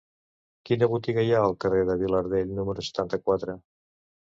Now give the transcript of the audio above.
Quina botiga hi ha al carrer de Vilardell número setanta-quatre?